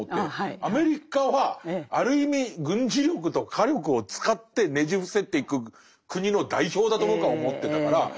アメリカはある意味軍事力と火力を使ってねじ伏せていく国の代表だと僕は思ってたから。